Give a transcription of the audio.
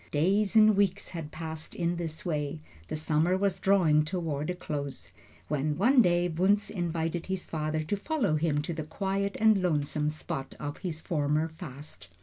Days and weeks had passed in this way; the summer was drawing toward a close, when one day Wunzh invited his father to follow him to the quiet and lonesome spot of his former fast.